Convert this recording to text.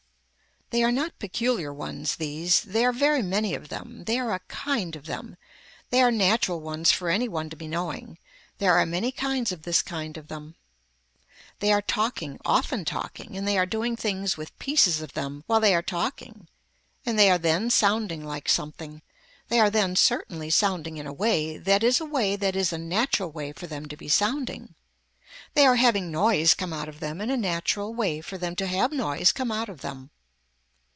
They are not peculiar ones these, they are very many of them, they are a kind of them, they are natural ones for any one to be knowing, there are many kinds of this kind of them. They are talking, often talking and they are doing things with pieces of them while they are talking and they are then sounding like something, they are then certainly sounding in a way that is a way that is a natural way for them to be sounding, they are having noise come out of them in a natural way for them to have noise come out of them.